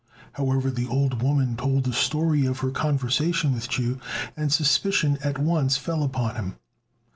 However, the old woman told the story of her conversation with Chu, and suspicion at once fell upon him.